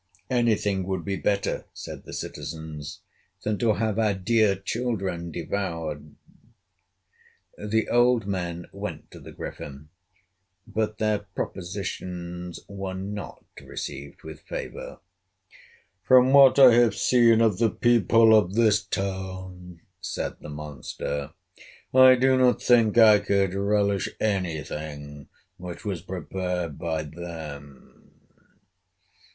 "Anything would be better," said the citizens, "than to have our dear children devoured." The old men went to the Griffin, but their propositions were not received with favor. "From what I have seen of the people of this town," said the monster, "I do not think I could relish any thing which was prepared by them.